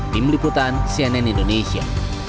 tim liputan cnn indonesia